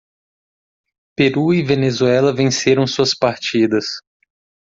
Peru e Venezuela venceram suas partidas.